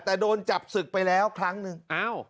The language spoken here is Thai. แต่โดนจับศึกไปแล้วครั้งหนึ่ง